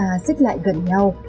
và xích lại gần nhau